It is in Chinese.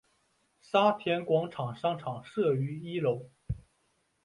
沙田广场商场设于一楼。